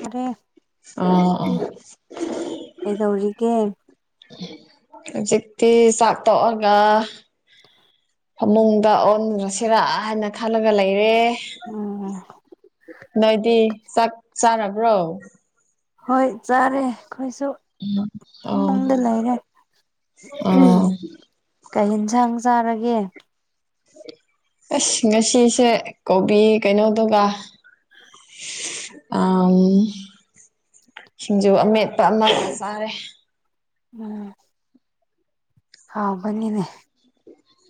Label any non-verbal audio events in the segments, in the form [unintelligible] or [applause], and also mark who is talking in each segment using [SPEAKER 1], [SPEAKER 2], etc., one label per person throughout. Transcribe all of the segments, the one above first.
[SPEAKER 1] ꯐꯔꯦ
[SPEAKER 2] ꯑꯥꯥ
[SPEAKER 1] ꯀꯩꯗꯧꯔꯤꯒꯦ
[SPEAKER 2] ꯍꯧꯖꯤꯛꯇꯤ ꯆꯥꯛ ꯇꯣꯛꯑꯒ ꯐꯃꯨꯡꯗ ꯑꯣꯟꯗ꯭ꯔꯁꯤꯔꯥ ꯍꯥꯏꯅ ꯈꯜꯂꯒ ꯂꯩꯔꯦ
[SPEAKER 1] ꯎꯝ
[SPEAKER 2] ꯅꯣꯏꯗꯤ ꯆꯥꯛ ꯆꯥꯔꯕ꯭ꯔꯣ
[SPEAKER 1] ꯍꯣꯏ ꯆꯥꯔꯦ ꯑꯩꯈꯣꯏꯁꯨ
[SPEAKER 2] ꯑꯣ
[SPEAKER 1] ꯐꯃꯨꯡꯗ ꯂꯩꯔꯦ
[SPEAKER 2] ꯑꯣ
[SPEAKER 1] ꯀꯩ ꯍꯦꯟꯁꯥꯡ ꯆꯥꯔꯒꯦ
[SPEAKER 2] ꯑꯁ ꯉꯁꯤꯁꯦ ꯀꯣꯕꯤ ꯀꯩꯅꯣꯗꯨꯒ ꯑ ꯁꯤꯡꯖꯨ ꯑꯃꯦꯠꯄ ꯑꯃ ꯆꯥꯔꯦ
[SPEAKER 1] ꯎꯝ ꯍꯥꯎꯕꯅꯤꯅꯦ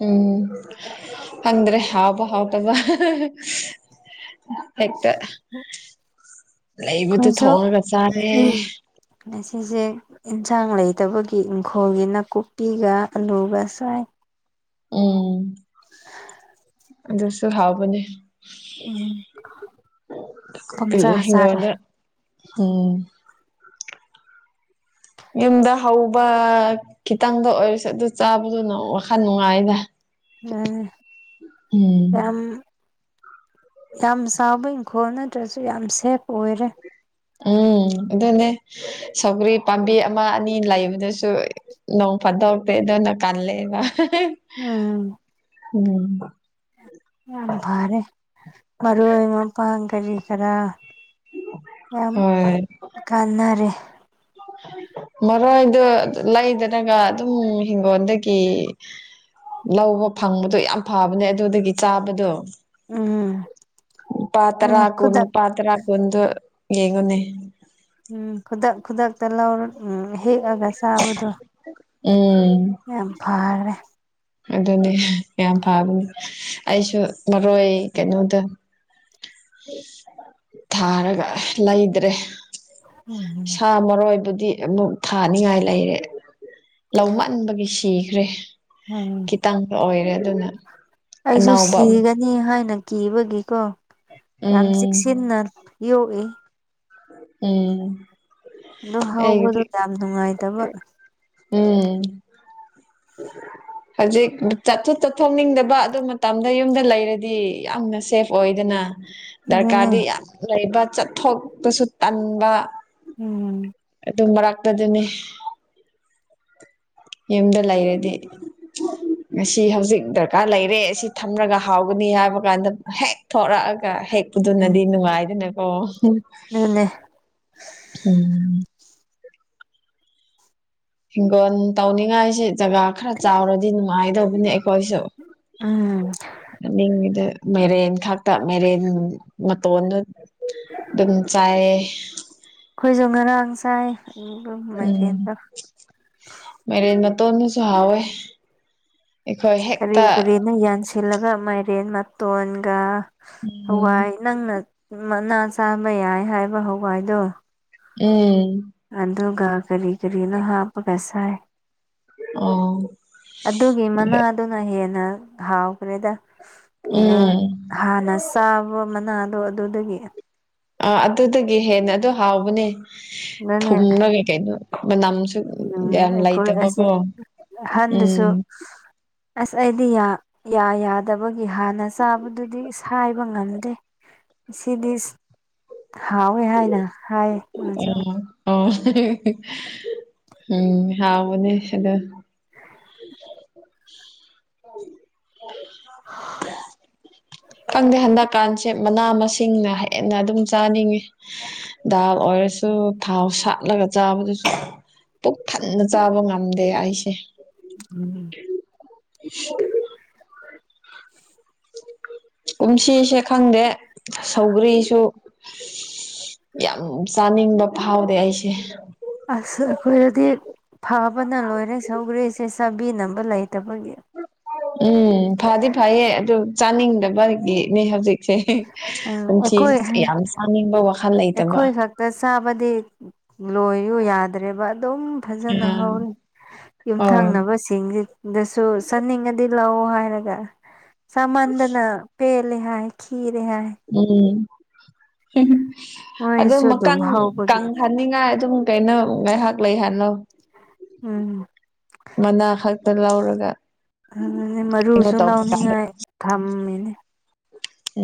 [SPEAKER 2] ꯎꯝ ꯈꯪꯗ꯭ꯔꯦ ꯍꯥꯎꯕ ꯍꯥꯎ ꯇꯕ ꯍꯦꯛꯇ
[SPEAKER 1] ꯑꯩꯈꯣꯏꯁꯨ
[SPEAKER 2] ꯂꯩꯕꯗꯨ ꯊꯧꯔ ꯆꯥꯔꯦ
[SPEAKER 1] ꯉꯁꯤꯁꯦ ꯏꯟꯁꯥꯡ ꯂꯩꯇꯕꯒꯤ ꯏꯪꯈꯣꯜꯒꯤ ꯅꯥꯀꯨꯞꯄꯤꯒ ꯑꯂꯨꯒ ꯁꯥꯏ
[SPEAKER 2] ꯎꯝ ꯑꯗꯨꯁꯨ ꯍꯥꯎꯕꯅꯦ
[SPEAKER 1] ꯎꯝ ꯄꯪꯆꯥ ꯆꯥꯔꯦ
[SPEAKER 2] [unintelligible] ꯎꯝ ꯌꯨꯝꯗ ꯍꯧꯕ ꯈꯤꯇꯪꯗ ꯑꯣꯏꯔꯁꯨ ꯑꯗꯨ ꯆꯥꯕꯗꯨꯅ ꯋꯥꯈꯜ ꯅꯨꯡꯉꯥꯏꯗ
[SPEAKER 1] ꯎꯝ
[SPEAKER 2] ꯎꯝ
[SPEAKER 1] ꯌꯥꯝ ꯌꯥꯝ ꯆꯥꯎꯕ ꯏꯪꯈꯣꯜ ꯅꯠꯇ꯭ꯔꯁꯨ ꯌꯥꯝ ꯁꯦꯐ ꯑꯣꯏꯔꯦ
[SPEAKER 2] ꯎꯝ ꯑꯗꯨꯅꯦ ꯁꯧꯒ꯭ꯔꯤ ꯄꯥꯝꯕꯤ ꯑꯃ ꯑꯅꯤ ꯂꯩꯕꯗꯁꯨ ꯄꯗꯣꯛꯇꯦꯗꯣꯅ ꯀꯜꯂꯦꯕ
[SPEAKER 1] ꯎꯝ
[SPEAKER 2] ꯎꯝ
[SPEAKER 1] ꯌꯥꯝ ꯐꯔꯦ ꯈꯔ ꯌꯥꯝ
[SPEAKER 2] ꯍꯣꯏ
[SPEAKER 1] ꯀꯥꯟꯅꯔꯦ
[SPEAKER 2] ꯃꯔꯣꯏꯗ ꯂꯩꯗ꯭ꯔꯅꯒ ꯑꯗꯨꯝ ꯍꯤꯡꯒꯣꯜꯗꯒꯤ ꯂꯧꯕ ꯐꯪꯕꯗꯣ ꯌꯥꯝ ꯐꯕꯅꯦ ꯑꯗꯨꯗꯒꯤ ꯆꯥꯕꯗꯣ
[SPEAKER 1] ꯎꯝ
[SPEAKER 2] ꯂꯨꯄꯥ ꯇ꯭ꯔ
[SPEAKER 1] ꯑꯗꯨꯅꯤ
[SPEAKER 2] ꯀꯨꯟ
[SPEAKER 1] ꯈꯨꯗꯛ
[SPEAKER 2] ꯂꯨꯄꯥ ꯇ꯭ꯔ ꯀꯨꯟꯗꯣ ꯌꯦꯡꯉꯣꯅꯦ
[SPEAKER 1] ꯎꯝ ꯈꯨꯗꯛ ꯈꯨꯗꯛ ꯇꯂꯧꯔ ꯎꯝ ꯍꯦꯛꯑꯒ ꯆꯥꯕꯗꯣ
[SPEAKER 2] ꯎꯝ
[SPEAKER 1] ꯌꯥꯝ ꯐꯔꯦ
[SPEAKER 2] ꯑꯗꯨꯅꯤ ꯌꯥꯝ ꯐꯕꯅꯦ ꯑꯩꯁꯨ ꯃꯔꯣꯏ ꯀꯩꯅꯣꯗ ꯊꯥꯔꯒ ꯂꯩꯗ꯭ꯔꯦ
[SPEAKER 1] ꯎꯝ
[SPEAKER 2] ꯁꯥ ꯃꯔꯣꯏꯕꯨ ꯗꯤ ꯑꯃꯨꯛ ꯊꯥꯅꯤꯡꯉꯥꯏ ꯂꯩꯔꯦ ꯂꯧ ꯃꯟꯕꯒꯤ ꯁꯤꯈ꯭ꯔꯦ
[SPEAKER 1] ꯎꯝ
[SPEAKER 2] ꯈꯤꯇꯪꯒ ꯑꯣꯏꯔꯦ ꯑꯗꯨꯅ
[SPEAKER 1] ꯑꯩꯁꯨ
[SPEAKER 2] ꯑꯅꯧꯕ ꯑꯃꯨꯛ
[SPEAKER 1] ꯁꯤꯒꯅꯤ ꯍꯥꯏꯅ ꯀꯤꯕꯒꯤꯀꯣ ꯌꯥꯝ
[SPEAKER 2] ꯎꯝ
[SPEAKER 1] ꯆꯦꯛꯁꯤꯟꯅ ꯌꯣꯛꯏ
[SPEAKER 2] ꯎꯝ
[SPEAKER 1] ꯑꯗꯨ
[SPEAKER 2] ꯑꯩꯒꯤꯗꯤ
[SPEAKER 1] ꯍꯧꯕꯗꯨꯣ ꯌꯥꯝ ꯅꯨꯡꯉꯥꯏꯇꯕ
[SPEAKER 2] ꯎꯝ ꯍꯧꯖꯤꯛ ꯆꯠꯊ ꯆꯠꯊꯣꯛꯅꯤꯡꯗꯕ ꯑꯗꯨ ꯃꯇꯝꯗ ꯌꯨꯝꯗ ꯂꯩꯔꯗꯤ ꯌꯥꯝꯅ ꯁꯦꯐ ꯑꯣꯏꯗꯅ
[SPEAKER 1] ꯑꯗꯨꯅꯦ
[SPEAKER 2] ꯗꯔꯀꯥꯔꯗꯤ ꯌꯥꯝ ꯂꯩꯕ ꯆꯠꯊꯣꯛꯄꯁꯨ ꯇꯟꯕ
[SPEAKER 1] ꯎꯝ
[SPEAKER 2] ꯇꯃꯔꯥꯥꯛꯇꯗꯨꯅꯤ ꯌꯨꯝꯗ ꯂꯩꯔꯗꯤ ꯉꯁꯤ ꯍꯧꯖꯤꯛ ꯗꯔꯀꯥꯔ ꯂꯩꯔꯦ ꯑꯁꯤ ꯊꯝꯂꯒ ꯍꯥꯎꯒꯅꯤ ꯍꯥꯏꯕ ꯀꯥꯟꯗ ꯍꯦꯛ ꯊꯣꯔꯛꯑꯒ ꯍꯦꯛ
[SPEAKER 1] ꯎꯝ
[SPEAKER 2] ꯄꯨꯗꯨꯅꯗꯤ ꯅꯨꯡꯉꯥꯏꯗꯅꯀꯣ
[SPEAKER 1] ꯑꯗꯨꯅꯦ
[SPEAKER 2] ꯎꯝ ꯍꯤꯡꯒꯣꯜ ꯇꯧꯅꯤꯡꯉꯥꯏꯁꯤ ꯖꯒꯥ ꯈꯔ ꯆꯥꯎꯔꯗꯤ ꯅꯨꯡꯉꯥꯏꯗꯧꯕꯅꯤ ꯑꯩꯈꯣꯏꯁꯨ
[SPEAKER 1] ꯎꯝ
[SPEAKER 2] ꯅꯃꯤꯡꯒꯤꯗ ꯃꯦꯔꯦꯟ ꯈꯛꯇ ꯃꯦꯔꯦꯟ ꯃꯇꯣꯟꯗꯨ ꯗꯨꯝ ꯆꯥꯏꯌꯦ
[SPEAKER 1] ꯈꯣꯏꯖꯨ ꯉꯔꯥꯡ ꯁꯥꯏ
[SPEAKER 2] ꯎꯝ
[SPEAKER 1] ꯃꯥꯏꯔꯦꯟꯗꯣ
[SPEAKER 2] ꯇꯣꯟꯗꯨꯁꯨ ꯍꯥꯎꯋꯦ ꯑꯩꯈꯣꯏ
[SPEAKER 1] ꯀꯔꯤ
[SPEAKER 2] ꯍꯦꯛꯇ
[SPEAKER 1] ꯀꯔꯤꯅꯣ ꯌꯥꯟꯁꯤꯜꯂꯒ ꯃꯥꯏꯔꯦꯟ ꯃꯇꯣꯟꯒ
[SPEAKER 2] ꯎꯝ
[SPEAKER 1] ꯍꯋꯥꯏ ꯅꯪꯅ ꯃꯅꯥ ꯆꯥꯕ ꯌꯥꯏ ꯍꯥꯏꯕ ꯍꯋꯥꯏꯗꯣ
[SPEAKER 2] ꯎꯝ
[SPEAKER 1] ꯑꯗꯨꯒ ꯀꯔꯤ ꯀꯔꯤꯅꯣ ꯍꯥꯞꯄꯒ ꯆꯥꯢ
[SPEAKER 2] ꯑꯣ
[SPEAKER 1] ꯑꯗꯨꯒꯤ ꯃꯅꯥꯗꯨꯅ ꯍꯦꯟꯅ ꯍꯥꯎꯈ꯭ꯔꯦꯗ ꯀꯩꯅꯣ
[SPEAKER 2] ꯎꯝ
[SPEAKER 1] ꯍꯥꯟꯅ ꯆꯥꯕ ꯃꯅꯥꯗꯣ ꯑꯗꯨꯗꯒꯤ
[SPEAKER 2] ꯑ ꯑꯗꯨꯗꯒꯤ ꯍꯦꯟꯅ ꯑꯗꯨ ꯍꯥꯎꯕꯅꯦ ꯊꯨꯝꯅꯒ ꯀꯩꯅꯣ ꯃꯅꯝ
[SPEAKER 1] ꯗꯨꯅ ꯑꯩꯈꯣꯏ ꯑꯁꯦ ꯑꯍꯟꯗꯁꯨ
[SPEAKER 2] ꯎꯝ
[SPEAKER 1] ꯑꯁ ꯑꯩꯗꯤ ꯌꯥ ꯌꯥꯗꯕꯒꯤ ꯍꯥꯟꯅ ꯆꯥꯕꯗꯨꯗꯤ ꯁꯥꯏꯕ ꯉꯝꯗꯦ ꯁꯤꯗꯤꯁ ꯍꯥꯎꯋꯦ ꯍꯥꯏꯅ ꯍꯥꯏ ꯃꯥꯁꯨ
[SPEAKER 2] ꯑꯣ ꯑꯣ ꯎꯝ ꯍꯥꯎꯕꯅꯦ ꯑꯗꯣ [inaudible]
[SPEAKER 1] [unintelligible]
[SPEAKER 2] ꯈꯪꯗꯦ ꯍꯟꯗꯛꯀꯥꯟꯁꯦ ꯃꯅꯥ ꯃꯁꯤꯡꯅ ꯍꯦꯟꯅ ꯑꯗꯨꯝ ꯆꯥꯅꯤꯡꯉꯤ ꯗꯥꯎ ꯀꯩꯁꯨ ꯊꯥꯎ ꯁꯥꯠꯂꯒ ꯆꯥꯕꯗꯨꯁꯨ ꯄꯨꯛ ꯊꯟꯅ ꯆꯥꯕ ꯉꯝꯗꯦ ꯑꯩꯁꯦ
[SPEAKER 1] ꯎꯝ
[SPEAKER 2] ꯀꯨꯝꯁꯤꯁꯦ ꯈꯪꯗꯦ ꯁꯧꯒ꯭ꯔꯤꯁꯨ ꯌꯥꯝ ꯆꯥꯅꯤꯡꯕ ꯐꯥꯎꯗꯦ ꯑꯩꯁꯦ
[SPEAKER 1] ꯑꯁ ꯑꯈꯣꯏꯗꯗꯤ ꯐꯕꯅ ꯂꯣꯏꯔꯦ ꯁꯧꯒꯔꯤꯁꯦ ꯆꯥꯕꯤꯅꯕ ꯂꯩ
[SPEAKER 2] ꯎꯝ ꯐꯗꯤ ꯐꯩꯌꯦ ꯑꯗꯨ ꯆꯥꯅꯤꯡꯗꯕꯒꯤꯅꯦ ꯍꯧꯖꯤꯛ ꯆꯣ ꯍꯦ ꯍꯣꯡꯆꯤ
[SPEAKER 1] ꯑꯩꯈꯣꯏ
[SPEAKER 2] ꯌꯥꯝ ꯁꯥꯅꯤꯡꯕ ꯋꯥꯅꯦ
[SPEAKER 1] ꯑꯩꯈꯣꯏ ꯈꯛꯇ ꯆꯥꯕꯗꯤ ꯂꯣꯏꯌꯨ ꯌꯥꯗ꯭ꯔꯦꯕ ꯗꯨꯝ ꯐꯖꯅ
[SPEAKER 2] ꯎꯝ
[SPEAKER 1] ꯍꯧꯔꯤ
[SPEAKER 2] ꯍꯣꯏ
[SPEAKER 1] ꯌꯨꯝꯊꯪꯅꯕꯁꯤꯡꯖꯦ ꯗꯨꯁꯨ ꯆꯥꯅꯤꯡꯉꯗꯤ ꯂꯥꯛꯑꯣ ꯍꯥꯏꯔꯒ ꯆꯃꯟꯗꯅ ꯄꯦꯜꯂꯦ ꯍꯥꯏ ꯈꯤꯔꯦ ꯍꯥꯏ
[SPEAKER 2] ꯎꯝ ꯍꯝ ꯑꯗꯨꯝ
[SPEAKER 1] ꯃꯣꯏꯁꯨ
[SPEAKER 2] ꯃꯀꯟ
[SPEAKER 1] ꯍꯧꯕꯒꯤ
[SPEAKER 2] ꯀꯪꯍꯟꯅꯤꯡꯉꯥꯏ ꯑꯗꯨꯝ ꯀꯩꯅꯣ ꯉꯥꯏꯍꯥꯛ ꯂꯩꯍꯜꯂꯣ
[SPEAKER 1] ꯎꯝ
[SPEAKER 2] ꯗ ꯂꯧꯔꯒ
[SPEAKER 1] ꯑꯗꯨꯅꯦ
[SPEAKER 2] ꯀꯩꯅꯣ
[SPEAKER 1] ꯃꯔꯨꯁꯨ
[SPEAKER 2] ꯇꯧꯕ ꯀꯥꯟꯗ
[SPEAKER 1] ꯂꯧꯅꯤꯡꯉꯥꯏ ꯊꯝꯃꯤꯅꯦ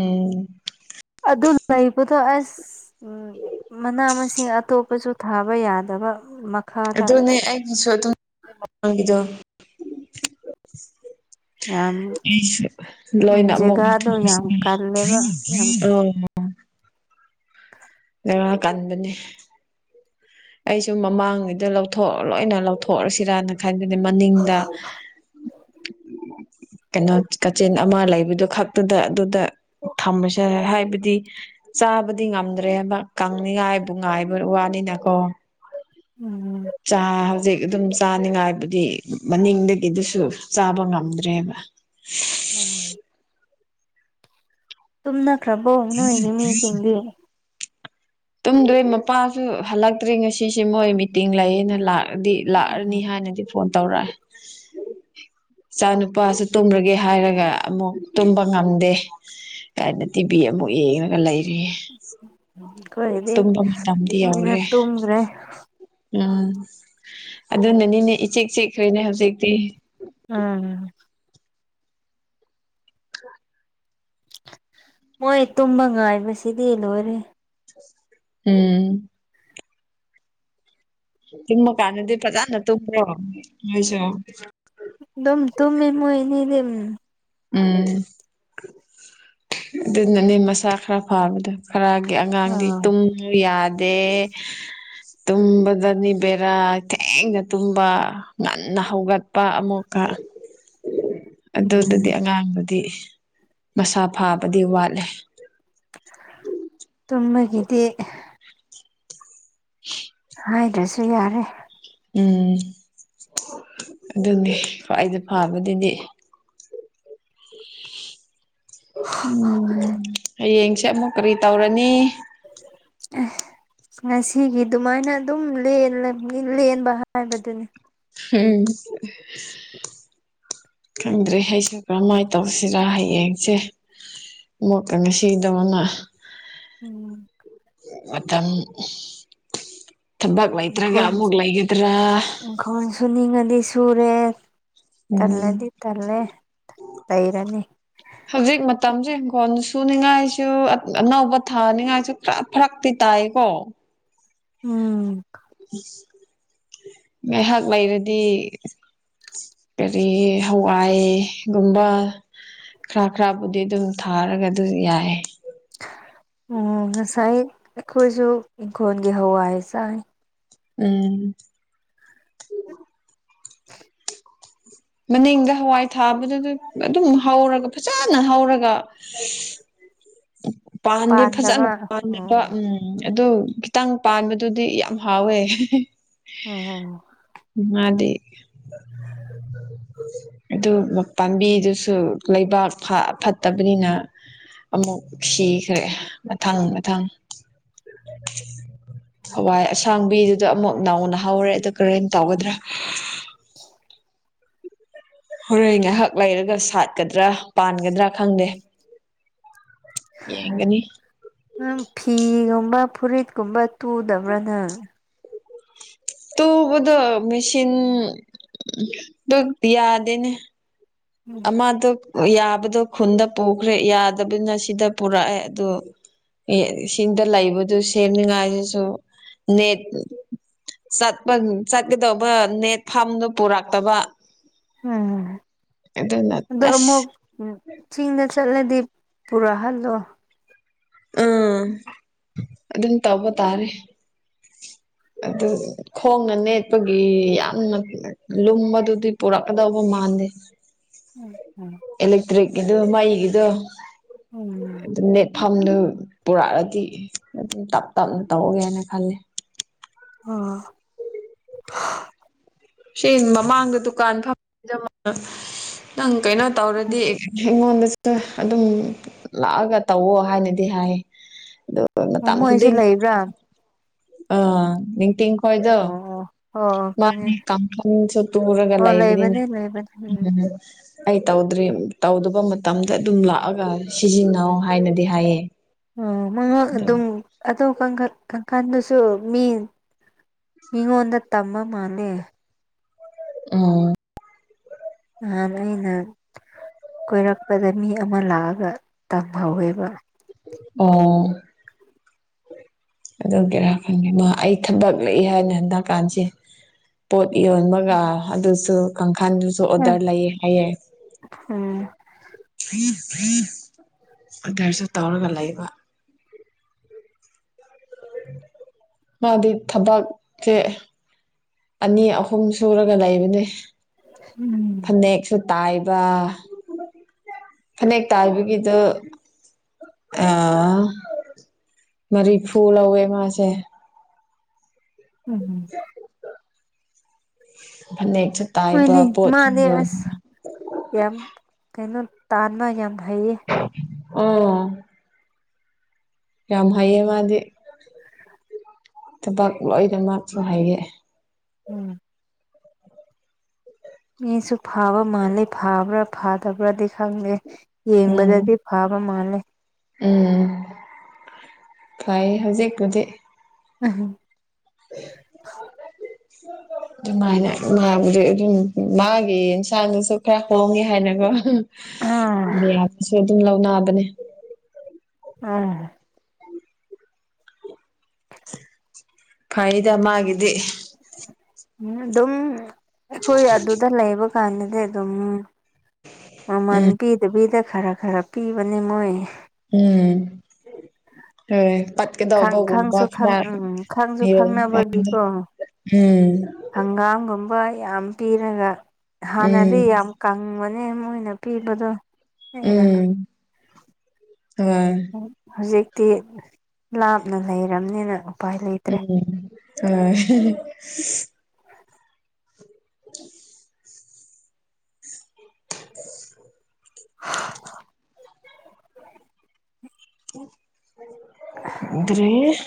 [SPEAKER 2] ꯑꯦ
[SPEAKER 1] ꯗꯨ ꯂꯩꯕꯗꯣ ꯑꯁ ꯎꯝ ꯃꯅꯥ ꯃꯁꯤꯡ ꯑꯇꯣꯞꯄꯁꯨ ꯊꯥꯕ ꯌꯥꯗꯕ ꯃꯛ
[SPEAKER 2] ꯑꯗꯨꯅꯦ ꯑꯩꯒꯤꯁꯨ [unintelligible] ꯗꯣ
[SPEAKER 1] ꯌꯥꯝ
[SPEAKER 2] ꯑꯩꯁꯨ ꯂꯣꯏꯅ ꯑꯃꯨꯛ
[SPEAKER 1] ꯖꯒꯥꯗꯣ ꯌꯥꯝ ꯀꯜꯂꯦꯕ ꯌꯥꯝ
[SPEAKER 2] ꯑꯧ
[SPEAKER 1] [inaudible] [inaudible]
[SPEAKER 2] ꯕꯦꯔꯥ ꯀꯟꯕꯅꯦ ꯑꯩꯁꯨ ꯃꯃꯥꯡꯉꯩꯗ ꯂꯧꯊꯣꯛ ꯂꯣꯏꯅ ꯂꯧꯊꯣꯛꯑꯁꯤꯔꯅ ꯈꯟ ꯍꯥꯏꯕꯅꯦ ꯃꯅꯤꯡꯗ
[SPEAKER 1] [inaudible]
[SPEAKER 2] ꯀꯩꯅꯣ ꯀꯥꯆꯤꯟ ꯑꯃ ꯂꯩꯕꯗꯨ ꯈꯛꯇꯨꯗ ꯑꯗꯨꯗ ꯊꯝꯕꯁꯦ ꯍꯥꯏꯕꯗꯤ ꯆꯥꯕꯗꯤ ꯉꯝꯗ꯭ꯔꯦꯕ ꯀꯪꯅꯤꯡꯉꯥꯏꯕꯨ ꯉꯥꯏꯕ ꯋꯥꯅꯤꯅ ꯑꯣ
[SPEAKER 1] ꯎꯝ
[SPEAKER 2] ꯍꯧꯖꯤꯛ ꯑꯗꯨꯝ ꯆꯥꯅꯤꯡꯉꯥꯏꯕꯨꯗꯤ ꯃꯅꯤꯡꯗꯒꯤꯗꯨꯁꯨ ꯆꯥꯕ ꯉꯝꯗ꯭ꯔꯦꯕ
[SPEAKER 1] [unintelligible] ꯇꯨꯝꯅꯈ꯭ꯔꯕꯣ ꯅꯣꯏꯒꯤ ꯃꯤꯁꯤꯡꯗꯤ
[SPEAKER 2] ꯇꯨꯝꯗ꯭ꯔꯤ ꯃꯄꯥꯁꯨ ꯍꯜꯂꯛꯇ꯭ꯔꯤ ꯉꯁꯤꯁꯦ ꯃꯣꯏ ꯃꯤꯇꯤꯡ ꯂꯩꯌꯦꯅ ꯂꯥꯛ ꯑꯗꯤ ꯂꯥꯛꯑꯅꯤ ꯍꯥꯏꯅꯗꯤ ꯐꯣꯟ ꯇꯧꯔꯛꯑꯦ
[SPEAKER 1] [inaudible]
[SPEAKER 2] ꯏꯆꯥ ꯅꯨꯨꯄꯥꯁꯨ ꯇꯨꯝꯔꯒꯦ ꯍꯥꯏꯔꯒ ꯑꯃꯨꯛ ꯇꯨꯝꯕ ꯉꯝꯗꯦ ꯀꯥꯏꯅ ꯇꯤꯚꯤ ꯑꯃꯨꯛ ꯌꯦꯉꯒ ꯂꯩ
[SPEAKER 1] ꯀꯣꯏꯒꯤꯗꯤ
[SPEAKER 2] ꯇꯨꯝꯕ ꯃꯇꯝꯗꯤ
[SPEAKER 1] ꯃꯣꯏꯅ
[SPEAKER 2] ꯌꯧꯔꯦ
[SPEAKER 1] ꯇꯨꯝꯒ꯭ꯔꯦ
[SPEAKER 2] ꯎꯝ ꯑꯗꯨꯅꯅꯤꯅꯦ ꯏꯆꯤꯛ ꯆꯤꯛꯈ꯭ꯔꯦꯅꯦ ꯍꯧꯖꯤꯛꯇꯤ
[SPEAKER 1] ꯑꯥ ꯃꯣꯏ ꯇꯨꯝꯕ ꯉꯥꯏꯕꯁꯤꯗꯤ ꯂꯣꯏꯔꯦ
[SPEAKER 2] ꯎꯝ ꯇꯨꯝꯃ ꯀꯥꯟꯗꯗꯤ ꯐꯖꯥꯅ ꯇꯨꯝꯕ꯭ꯔꯣ ꯅꯣꯏꯁꯨ
[SPEAKER 1] ꯑꯗꯨꯝ ꯇꯨꯝꯃꯦ ꯃꯣꯏꯑꯅꯤꯗꯤ ꯎꯝ
[SPEAKER 2] ꯎꯝ ꯑꯗꯨꯅꯅꯦ ꯃꯁꯥ ꯈꯔ ꯐꯥꯕꯗꯣ ꯈꯔꯒꯤ ꯑꯉꯥꯡꯗꯤ
[SPEAKER 1] ꯑꯥ
[SPEAKER 2] ꯇꯨꯝꯃꯨ ꯌꯥꯗꯦ ꯇꯨꯝꯕꯗꯅꯤ ꯕꯦꯔꯥ ꯊꯦꯡꯅ ꯇꯨꯝꯕ ꯉꯟꯅ ꯍꯧꯒꯠꯄ ꯑꯃꯨꯛꯀ
[SPEAKER 1] [inaudible]
[SPEAKER 2] ꯑꯗꯨꯗꯗꯤ
[SPEAKER 1] ꯎꯝ
[SPEAKER 2] ꯑꯉꯥꯡꯗꯨꯗꯤ ꯃꯁꯥ ꯐꯥꯕꯗꯤ ꯋꯥꯠꯂꯦ
[SPEAKER 1] ꯇꯨꯝꯃꯒꯤꯗꯤ
[SPEAKER 2] [inaudible]
[SPEAKER 1] ꯍꯥꯏꯗ꯭ꯔꯁꯨ ꯌꯥꯔꯦ
[SPEAKER 2] ꯎꯝ ꯑꯗꯨꯅꯦ ꯈ꯭ꯋꯥꯏꯗ ꯐꯥꯕꯗꯨꯗꯤ
[SPEAKER 1] [inaudible]
[SPEAKER 2] ꯎꯝ ꯍꯌꯦꯡꯁꯦ ꯑꯃꯨꯛ ꯀꯔꯤ ꯇꯧꯔꯅꯤ
[SPEAKER 1] ꯑꯦ ꯉꯁꯤꯒꯤ ꯗꯨꯃꯥꯏꯅ ꯑꯗꯨꯝ ꯂꯦꯟꯂ ꯂꯦꯟꯕ ꯍꯥꯏꯕꯗꯨꯅꯤ
[SPEAKER 2] ꯍꯨꯝ ꯈꯪꯗ꯭ꯔꯦ ꯑꯩꯁꯨ ꯀꯔꯝꯃꯥꯏꯟ ꯇꯧꯁꯤꯔꯥ ꯍꯌꯦꯡꯁꯦ ꯃꯨꯛꯀꯥ ꯉꯁꯤꯗꯧꯅ
[SPEAKER 1] ꯎꯝ
[SPEAKER 2] ꯃꯇꯝ ꯊꯕꯛ ꯂꯩꯇ꯭ꯔꯒ
[SPEAKER 1] ꯏꯪꯈꯣꯜ
[SPEAKER 2] ꯑꯃꯨꯛ ꯂꯩꯒꯗ꯭ꯔꯥ
[SPEAKER 1] ꯄꯨꯔꯦ
[SPEAKER 2] ꯎꯝ
[SPEAKER 1] ꯇꯜꯂꯗꯤ ꯇꯜꯂꯦ ꯂꯩꯔꯅꯤ
[SPEAKER 2] ꯇꯝꯁꯦ ꯍꯤꯡꯈꯣꯜ ꯁꯨꯅꯤꯡꯉꯥꯏꯁꯨ ꯑꯅꯧꯕ ꯊꯥꯅꯤꯡꯉꯥꯏꯁꯨ ꯈꯔ ꯐꯔꯛꯇꯤ ꯇꯥꯏꯀꯣ
[SPEAKER 1] ꯎꯝ
[SPEAKER 2] ꯏꯁ ꯉꯥꯏꯍꯥꯛ ꯂꯩꯔꯗꯤ ꯀꯔꯤ ꯍꯋꯥꯏ ꯒꯨꯝꯕ ꯈꯔ ꯈꯔꯕꯨꯗꯤ ꯑꯗꯨꯝ ꯊꯥꯔꯒ ꯑꯗꯨ ꯌꯥꯏ
[SPEAKER 1] ꯑꯣ ꯉꯁꯥꯏ ꯑꯩꯈꯣꯏꯁꯨ ꯏꯪꯈꯣꯜꯒꯤ ꯍꯋꯥꯏ ꯆꯥꯏ
[SPEAKER 2] ꯎꯝ ꯃꯅꯤꯡꯗ ꯍꯋꯥꯏ ꯊꯥꯕꯗꯨ ꯗꯨ ꯑꯗꯨꯝ ꯍꯧꯔꯒ ꯐꯖꯅ ꯍꯧꯔꯒ
[SPEAKER 1] [inaudible]
[SPEAKER 2] ꯄꯥꯟꯗꯦ ꯐꯖꯟꯅ [unintelligible] ꯎꯝ ꯑꯗꯨ ꯈꯤꯇꯪ ꯄꯥꯟꯕꯗꯨꯗꯤ ꯌꯥꯝ ꯍꯥꯎꯋꯦ
[SPEAKER 1] [unintelligible]
[SPEAKER 2] [inaudible] ꯑꯗꯨ ꯄꯥꯝꯕꯤꯗꯨꯁꯨ ꯂꯩꯕꯥꯛ ꯐ ꯐꯠꯇꯕꯅꯤꯅ ꯑꯃꯨꯛ ꯁꯤꯈ꯭ꯔꯦ ꯃꯊꯪ ꯃꯊꯪ ꯍꯋꯥꯏ ꯑꯁꯥꯡꯕꯤꯗꯨꯗ ꯑꯃꯨꯛ ꯅꯥꯎꯅ ꯍꯥꯎꯔꯦ ꯑꯗꯨ ꯀꯔꯦꯟ ꯇꯧꯒꯗ꯭ꯔꯥ
[SPEAKER 1] [unintelligible]
[SPEAKER 2] ꯍꯣꯔꯦꯟ ꯉꯥꯏꯍꯥꯛ ꯂꯩꯔꯒ ꯁꯥꯠꯀꯗ꯭ꯔꯥ ꯄꯥꯟꯒꯗ꯭ꯔꯥ ꯈꯪꯗꯦ ꯌꯦꯡꯒꯅꯤ
[SPEAKER 1] ꯅꯪ ꯐꯤꯒꯨꯝ ꯃꯥ ꯐꯨꯔꯤꯠꯀꯨꯝꯕ ꯇꯨꯗꯕ꯭ꯔꯥ ꯅ
[SPEAKER 2] ꯇꯨꯕꯗꯨ ꯃꯦꯁꯤꯟ ꯗꯨꯛ ꯌꯥꯗꯦꯅꯦ ꯑꯃꯗꯨꯛ ꯌꯥꯕꯗꯣ ꯈꯨꯟꯗ ꯄꯨꯈ꯭ꯔꯦ ꯌꯥꯗꯕꯅ ꯁꯤꯗ ꯄꯨꯔꯛꯑꯦ ꯑꯗꯨ ꯏ ꯁꯤꯡꯗ ꯂꯩꯕꯗꯨ ꯁꯦꯝꯅꯤꯉꯥꯏꯗꯨꯁꯨ ꯅꯦꯠ ꯆꯠꯄ ꯆꯠꯀꯗꯧꯕ ꯅꯦꯠ ꯐꯥꯝꯗꯨ ꯄꯨꯔꯛꯇꯕ
[SPEAKER 1] ꯎꯝ
[SPEAKER 2] ꯑꯗꯨꯅ
[SPEAKER 1] ꯑꯗꯣ
[SPEAKER 2] ꯑꯁ
[SPEAKER 1] ꯑꯃꯨꯛ ꯆꯤꯡꯗ ꯆꯠꯂꯗꯤ ꯄꯨꯔꯥ ꯍꯜꯂꯣ
[SPEAKER 2] ꯑꯥ ꯑꯗꯨꯝ ꯇꯧꯕ ꯇꯥꯔꯦ ꯑꯗꯨ ꯈꯣꯡꯅ ꯅꯦꯠꯄꯒꯤ ꯌꯥꯝꯅ ꯂꯨꯝꯕꯗꯨꯗꯤ ꯄꯨꯔꯛꯀꯗꯧꯕ ꯃꯥ ꯃꯥꯥꯟꯗꯦ
[SPEAKER 1] ꯎꯝ ꯎꯝ
[SPEAKER 2] ꯒꯤꯗꯨ ꯃꯩꯒꯤꯗꯣ
[SPEAKER 1] ꯎꯝ
[SPEAKER 2] ꯐꯝꯗꯨ ꯄꯨꯔꯛꯑꯗꯤ ꯑꯗꯨꯝ ꯇꯞ ꯇꯞꯅ ꯇꯧꯒꯦꯅ ꯈꯜꯂꯦ
[SPEAKER 1] ꯑꯥ
[SPEAKER 2] ꯁꯤ ꯃꯃꯥꯡꯗ ꯗꯨꯀꯥꯟ [unintelligible] ꯅꯪ ꯀꯩꯅꯣ ꯇꯧꯔꯗꯤ ꯃꯤꯉꯣꯟꯗ ꯑꯗꯨꯝ ꯂꯥꯛꯑꯒ ꯇꯧꯋꯣ ꯍꯥꯏꯅꯗꯤ ꯍꯥꯏ ꯑꯗꯨ
[SPEAKER 1] ꯑꯣ ꯃꯣꯏꯁꯨ ꯂꯩꯕ꯭ꯔꯥ
[SPEAKER 2] [unintelligible] ꯇꯤꯡ ꯈꯣꯏꯗꯣ
[SPEAKER 1] ꯑꯣ ꯑꯣ ꯑꯣ ꯈꯪꯉꯦ
[SPEAKER 2] ꯃꯥꯅꯤ ꯀꯥꯡꯈꯨꯁꯨ ꯇꯨꯔꯒ
[SPEAKER 1] ꯑꯣ
[SPEAKER 2] ꯂꯩꯕꯅꯤꯅ
[SPEAKER 1] ꯂꯩꯕꯅꯦ ꯂꯩꯕꯅꯦ
[SPEAKER 2] ꯎꯝ ꯑꯩ ꯇꯧꯗ꯭ꯔꯤ ꯇꯧꯗꯕ ꯃꯇꯝꯗ ꯑꯗꯨꯝ ꯂꯥꯛꯑꯒ ꯁꯤꯖꯤꯟꯅꯧ ꯍꯥꯏꯅꯗꯤ ꯍꯥꯏꯌꯦ
[SPEAKER 1] ꯑꯣ ꯃꯥ ꯑꯗꯨꯝ ꯑꯗꯣ ꯀꯥꯡꯈꯟ ꯀꯥꯡ ꯈꯟꯗꯁꯨ ꯃꯤ ꯃꯤꯉꯣꯟꯗ ꯇꯝꯃ ꯃꯥꯜꯂꯦ
[SPEAKER 2] ꯎꯝ
[SPEAKER 1] ꯅꯍꯥꯟ ꯑꯩꯅ ꯀꯣꯏꯔꯛꯄꯗ ꯃꯤ ꯑꯃ ꯂꯥꯛꯑꯒ ꯇꯥꯟꯍꯧꯋꯦꯕ
[SPEAKER 2] ꯑꯣ ꯑꯗꯨꯒꯤꯔꯥ ꯈꯪꯗꯦ ꯃꯥ ꯑꯩ ꯊꯕꯛ ꯂꯩ ꯍꯥꯏꯅ ꯍꯟꯗꯛ ꯀꯥꯟꯁꯦ ꯄꯣꯠ ꯌꯣꯟꯕꯒ ꯑꯗꯨꯁꯨ ꯈꯥꯟꯗꯨꯁꯨ ꯑꯣꯗ꯭ꯔ
[SPEAKER 1] ꯎꯝ
[SPEAKER 2] ꯂꯩꯌꯦ ꯍꯥꯏꯌꯦ ꯑꯣꯗ꯭ꯔꯁꯨ ꯇꯧꯔꯒ ꯂꯩꯕ ꯃꯥꯗꯤ ꯊꯕꯥꯛ ꯆꯦ ꯑꯅꯤ ꯑꯍꯨꯝ ꯁꯨꯔꯒ ꯂꯩꯕꯅꯦ
[SPEAKER 1] ꯎꯝ
[SPEAKER 2] ꯐꯅꯦꯛꯁꯨ ꯇꯥꯏꯕ ꯐꯅꯦꯛ ꯇꯥꯏꯕꯒꯤꯗꯣ ꯑꯥ ꯃꯔꯤꯐꯨ ꯂꯧꯋꯦ ꯃꯥꯁꯦ
[SPEAKER 1] ꯎꯝꯍꯨ
[SPEAKER 2] ꯐꯅꯦꯛ
[SPEAKER 1] ꯍꯣꯏꯅꯦ ꯃꯥꯅꯦ ꯑꯁ ꯌꯥꯝ ꯀꯩꯅꯣ ꯇꯥꯟꯄ ꯌꯥꯝ ꯍꯩꯌꯦ
[SPEAKER 2] ꯎꯝ ꯌꯥꯝ ꯍꯩꯌꯦ ꯃꯥꯗꯤ ꯊꯕꯛ ꯂꯣꯏꯅꯃꯛꯁꯨ ꯍꯥꯏꯌꯦ
[SPEAKER 1] ꯎꯝ ꯃꯤꯁꯨ ꯐꯥꯕ ꯃꯥꯜꯂꯤ ꯐꯥꯕ꯭ꯔꯥ ꯐꯥꯗꯕ꯭ꯔꯥꯗꯤ ꯈꯪꯗꯦ
[SPEAKER 2] ꯎꯝ
[SPEAKER 1] ꯌꯦꯡꯕꯗꯗꯤ ꯐꯥꯕ ꯃꯥꯜꯂꯦ
[SPEAKER 2] ꯎꯝ ꯐꯩꯌꯦ ꯍꯧꯖꯤꯛꯄꯨꯗꯤ
[SPEAKER 1] ꯑꯍꯝ
[SPEAKER 2] ꯑꯗꯨꯃꯥꯏꯅ ꯃꯥꯕꯨꯗꯤ ꯑꯗꯨꯝ ꯃꯥꯒꯤ ꯏꯟꯁꯥꯡꯗꯨꯁꯨ ꯈꯔ ꯍꯣꯡꯉꯦ ꯍꯥꯏꯅꯀꯣ
[SPEAKER 1] ꯑꯥ
[SPEAKER 2] ꯃꯌꯥꯝꯅꯁꯨ ꯑꯗꯨꯝ ꯂꯧꯅꯕꯅꯦ
[SPEAKER 1] ꯎꯝ
[SPEAKER 2] ꯐꯩꯗ ꯃꯥꯒꯤꯗꯤ
[SPEAKER 1] ꯎꯝ ꯑꯗꯨꯝ ꯑꯩꯈꯣꯏ ꯑꯗꯨꯗ ꯂꯩꯕ ꯀꯥꯟꯗꯗꯤ ꯑꯗꯨꯝ ꯃꯃꯜ
[SPEAKER 2] ꯎꯝ
[SPEAKER 1] ꯄꯤꯗꯕꯤꯗ ꯈꯔ ꯈꯔ ꯄꯤꯕꯅꯦ ꯃꯣꯏ
[SPEAKER 2] ꯎꯝ ꯍꯣꯏ
[SPEAKER 1] [inaudible] ꯈꯪ
[SPEAKER 2] ꯄꯠꯀꯗꯧꯕꯒꯨꯝꯕ
[SPEAKER 1] ꯈꯪꯁꯨ ꯈꯪ
[SPEAKER 2] ꯈꯔ
[SPEAKER 1] ꯎꯝ ꯈꯪꯁꯨ
[SPEAKER 2] ꯌꯦꯡꯉꯒ
[SPEAKER 1] ꯈꯪꯅꯕꯒꯤꯀꯣ
[SPEAKER 2] ꯎꯝ
[SPEAKER 1] ꯍꯪꯒꯥꯝꯒꯨꯝꯕꯥꯏ ꯌꯥꯝ ꯄꯤꯔꯒ ꯍꯥꯟꯅꯗꯤ
[SPEAKER 2] ꯎꯝ
[SPEAKER 1] ꯌꯥꯝ ꯀꯪꯕꯅꯦ ꯃꯣꯏꯅ ꯄꯤꯕꯗꯣ ꯍꯦꯟꯅ
[SPEAKER 2] ꯎꯝ ꯍꯣꯏ
[SPEAKER 1] ꯍꯧꯖꯤꯛꯇꯤ ꯂꯥꯞꯅ ꯂꯩꯔꯕꯅꯤꯅ ꯎꯄꯥꯏ ꯂꯩꯇ꯭ꯔꯦ
[SPEAKER 2] ꯎꯝ ꯍꯨ ꯍꯨ ꯗ꯭ꯔꯤꯁ